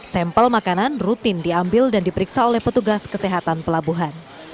sampel makanan rutin diambil dan diperiksa oleh petugas kesehatan pelabuhan